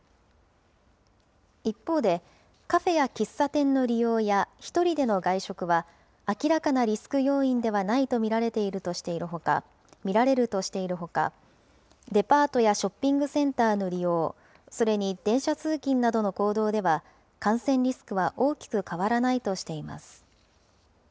一方で、カフェや喫茶店の利用や１人での外食は、明らかなリスク要因ではないと見られるとしているほか、デパートやショッピングセンターの利用、それに電車通勤などの行動では感染リスクは大きく変わらないとしています。